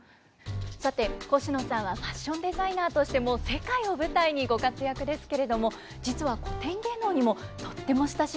さてコシノさんはファッションデザイナーとしても世界を舞台にご活躍ですけれども実は古典芸能にもとっても親しみがあるそうですね。